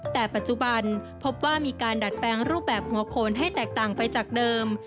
แต่ปัจจุบันพบว่ามีการดัดแปลงรูปแบบหัวโคนให้แตกต่างไปจากเดิม